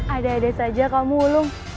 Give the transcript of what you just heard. ada ada saja kamu ulung